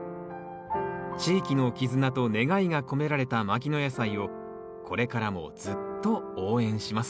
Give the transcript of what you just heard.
地域の絆と願いが込められた牧野野菜をこれからもずっと応援します